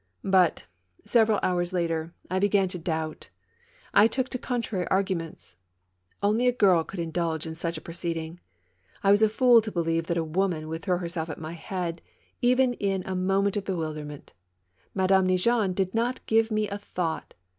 But, several hours later, I began to doubt, I took to contrary arguments. Only a girl could indulge in such a proceeding ; I was a fool to believe that a woman would throw herself at my head, even in a moment of bewilderment. Madame Neigeon did not give me a thought.